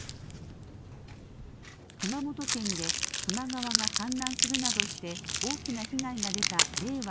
熊本県で球磨川が氾濫するなどして大きな被害が出た令和